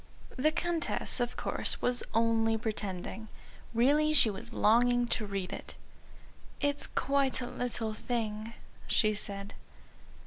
The Countess, of course, was only pretending. Really she was longing to read it. "It's quite a little thing," she said.